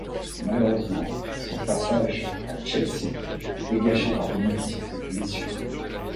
Malheureusement, son passage à Chelsea est gâché par de multiples blessures.